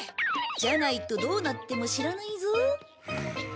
じゃないとどうなっても知らないぞ。